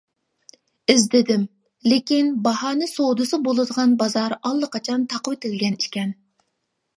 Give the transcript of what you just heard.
ئىزدىدىم، لېكىن باھانە سودىسى بولىدىغان بازار ئاللىقاچان تاقىۋېتىلگەن ئىكەن.